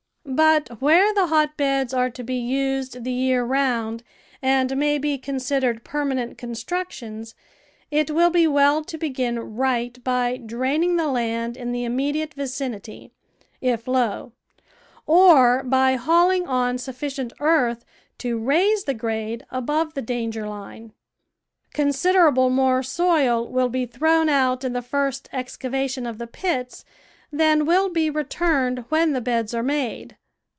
But where the hotbeds are to be used the year round and may be considered permanent construc tions, it will be well to begin right by draining the land in the immediate vicinity, if low, or by haul ing on sufficient earth to raise the grade above the danger line. Considerable more soil will be thrown out in the first excavation of the pits than will be CONSTRUCTION AND CARE OP HOTBEDS returned when the beds are made.